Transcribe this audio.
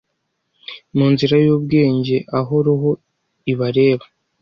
mu nzira y'ubwenge aho roho ibareba